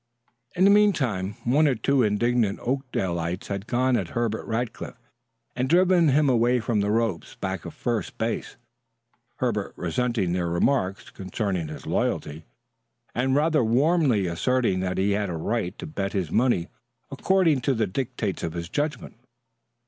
In the meantime, one or two indignant Oakdaleites had gone at Herbert Rackliff and driven him away from the ropes back of first base, Herbert resenting their remarks concerning his loyalty, and rather warmly asserting that he had a right to bet his money according to the dictates of his judgment.